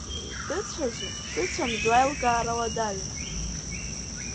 Дыцәазу, дыцәамзу аилкаара уадаҩын.